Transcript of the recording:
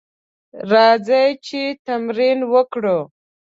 راځئ چې تمرين وکړو.